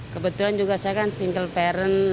kebetulan juga saya kan single parent